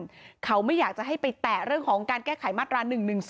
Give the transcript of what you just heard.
ทางออกร่วมกันเขาไม่อยากจะให้ไปแตะเรื่องของการแก้ไขมัตรรา๑๑๒